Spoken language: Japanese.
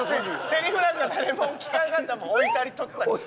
セリフなんか誰も聞かんかったもん置いたり取ったりして。